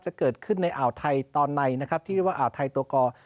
จะเกิดขึ้นในอ่าวไทยตอนในนะครับที่เรียกว่าอ่าวไทยตัวกอ